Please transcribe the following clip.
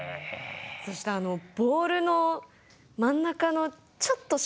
そしてボールの真ん中のちょっと下。